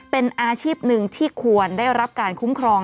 เป็นอาชีพหนึ่งที่ควรได้รับการคุ้มครอง